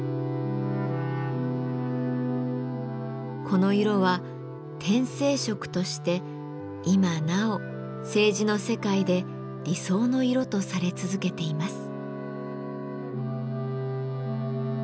この色は「天青色」として今なお青磁の世界で理想の色とされ続けています。